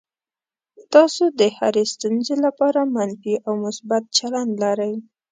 تاسو د هرې ستونزې لپاره منفي او مثبت چلند لرئ.